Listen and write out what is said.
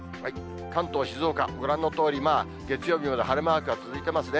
関東、静岡、ご覧のとおり、月曜日まで晴れマークが続いてますね。